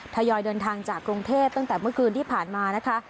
ทยอยเดินทางจากกรุงเทพตั้งแต่เมื่อคืนที่ผ่านมานะคะ